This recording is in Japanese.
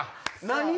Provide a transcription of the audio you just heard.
何？